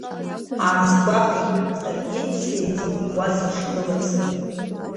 Аасгәахәит саргьы сеиҵаӷәӷәа сахьгылаз.